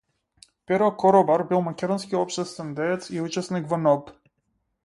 Перо Коробар бил македонски општествен деец и учесник во НОБ.